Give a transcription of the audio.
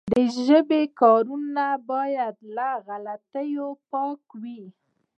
د ژبي کارونه باید له غلطیو پاکه وي.